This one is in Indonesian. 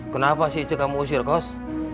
kenapa sih itu kamu usir kos